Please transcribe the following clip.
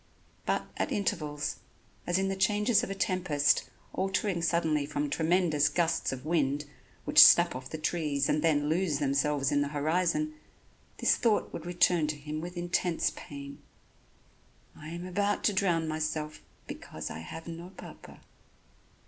But, at intervals, as in the changes of a tempest, altering suddenly from tremendous gusts of wind, which snap off the trees and then lose themselves in the horizon, this thought would return to him with intense pain: "I am about to drown myself because I have no Papa."